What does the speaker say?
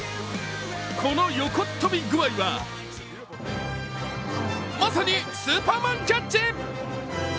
この横っ飛び具合はまさにスーパーマンキャッチ。